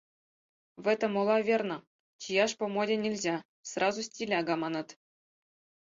В этом ола, верно, чияш по моде нельзя, сразу стиляга маныт.